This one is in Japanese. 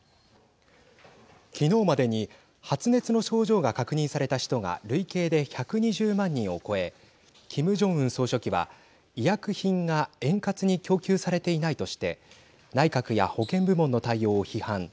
きのうまでに発熱の症状が確認された人が累計で１２０万人を超えキム・ジョンウン総書記は医薬品が円滑に供給されていないとして内閣や保健部門の対応を批判。